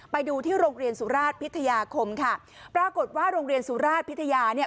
ไปดูที่โรงเรียนสุราชพิทยาคมค่ะปรากฏว่าโรงเรียนสุราชพิทยาเนี่ย